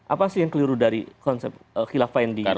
apa sih yang keliru dari konsep khilafah yang di